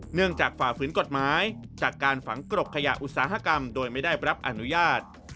ฝ่าฝืนกฎหมายจากการฝังกรบขยะอุตสาหกรรมโดยไม่ได้รับอนุญาต